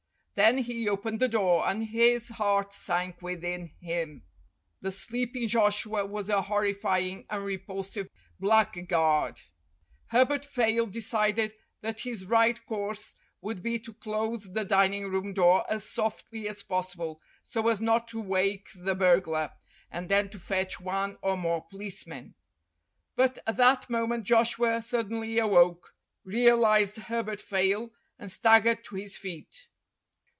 Then he opened the door, and his heart sank within him. The sleeping Joshua was a horrifying and repulsive blackguard. Herbert Fayle decided that his right course would be to close the dining room door as softly as possible, so as not to wake the burglar, and then to fetch one or more policemen. But at that moment Joshua suddenly awoke, realized Herbert Fayle, and staggered to his feet.